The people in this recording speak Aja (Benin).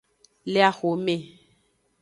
Le axome.